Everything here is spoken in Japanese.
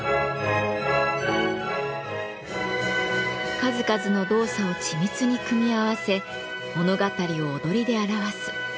数々の動作を緻密に組み合わせ物語を踊りで表す。